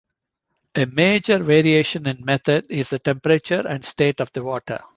A major variation in method is the temperature and state of the water.